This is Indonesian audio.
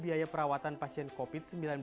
biaya perawatan pasien covid sembilan belas